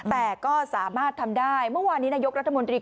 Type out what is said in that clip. แต่ก็สามารถทำได้เมื่อวานนี้นายกรัฐมนตรี